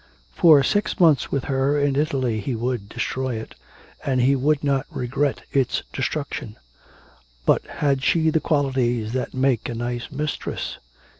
For six months with her in Italy he would destroy it, and he would not regret its destruction. But had she the qualities that make a nice mistress?